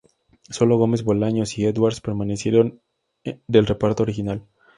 Solo Gómez Bolaños y Edwards permanecieron del reparto original.